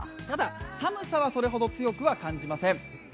ただ寒さはそれほど強くは感じません。